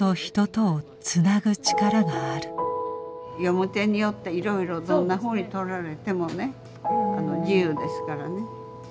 読み手によっていろいろどんなふうにとられてもね自由ですからね。